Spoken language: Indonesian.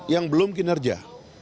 yang belum kinerja